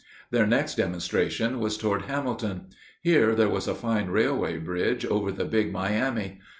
Their next demonstration was toward Hamilton. Here there was a fine railway bridge over the Big Miami.